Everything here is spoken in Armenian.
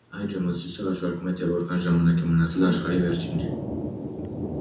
Այդ ժամացույցը հաշվարկում է թե որքան ժամանակ է մնացել աշխարհի վերջին։